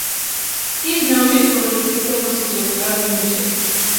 He is noted for his performances of early music.